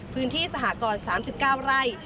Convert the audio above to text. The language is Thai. พื้นที่สหกร๓๙ไร่